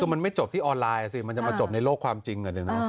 คือมันไม่จบที่ออนไลน์สิมันจะมาจบในโลกความจริง